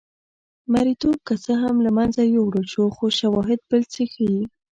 مریتوب که څه هم له منځه یووړل شو خو شواهد بل څه ښيي.